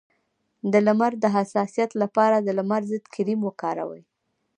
د لمر د حساسیت لپاره د لمر ضد کریم وکاروئ